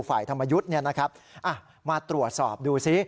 ฝ่ายธรรมะยุทธ์เนี่ยนะครับอะมาตรวจสอบดูซิ